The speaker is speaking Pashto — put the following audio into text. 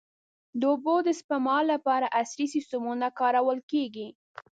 د اوبو د سپما لپاره عصري سیستمونه کارول کېږي.